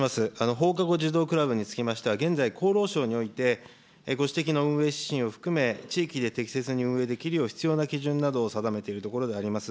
放課後児童クラブにつきましては、現在、厚労省においてご指摘の運営指針を含め、地域で適切に運営できるよう必要な基準などを定めているところであります。